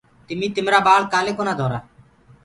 تمي تمرآ ٻآݪ ڪآلي ڪونآ ڌنٚورآ۔